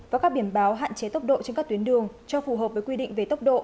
và các biển báo hạn chế tốc độ trên các tuyến đường cho phù hợp với quy định về tốc độ